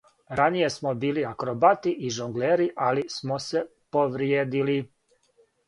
Раније смо били акробати и жонглери, али смо се повриједили.